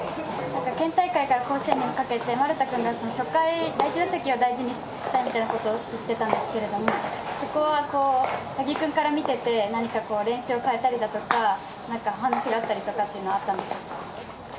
県大会から甲子園にかけて、丸田君が初回、第１打席を大事にしたいということを言ってたんですけれども、そこは八木君から見てて、何か練習を変えたりだとか、なんか話があったりとかっていうのはあったんですか。